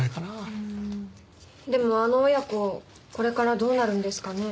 でもあの親子これからどうなるんですかね？